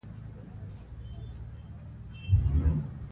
دولتي ادارې باید حساب ورکړي.